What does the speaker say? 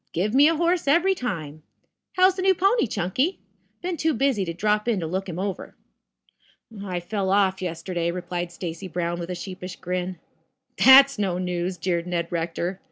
Give me a horse every time. How's the new pony, Chunky? Been too busy to drop in to look him over." "I fell off yesterday," replied Stacy Brown with a sheepish grin. "That's no news," jeered Ned Rector.